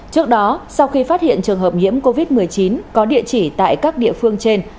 trước đó sau khi phát hiện trường hợp nhiễm covid một mươi chín có địa chỉ tại các địa phương trên